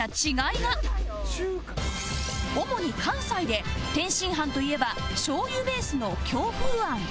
主に関西で天津飯といえばしょう油ベースの京風餡